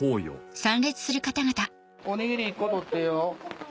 おにぎり１個取ってよ。